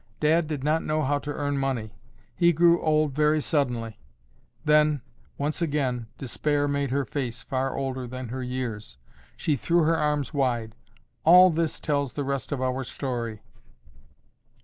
Dad did not know how to earn money. He grew old very suddenly," then, once again, despair made her face far older than her years. She threw her arms wide. "All this tells the rest of our story."